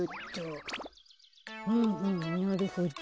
ふむふむなるほど。